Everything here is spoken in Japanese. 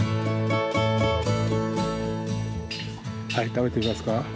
食べてみますか。